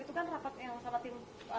itu kan rapat yang sama tim